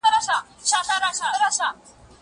زه پرون مينه څرګنده کړه!؟